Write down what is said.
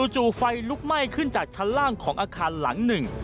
จู่ไฟลุกไหม้ขึ้นจากชั้นล่างของอาคารหลังหนึ่ง